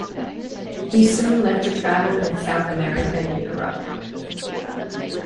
He soon left to travel in South America and Europe.